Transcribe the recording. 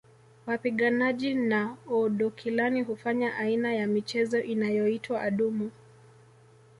Wapiganaji wa Oodokilani hufanya aina ya michezo inayoitwa adumu